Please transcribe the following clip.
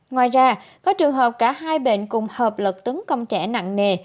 ngoài ra có trường hợp cả hai bệnh cùng hợp lực tấn công trẻ nặng nề